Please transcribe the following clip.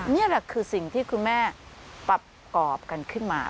นี่แหละคือสิ่งที่คุณแม่ประกอบกันขึ้นมา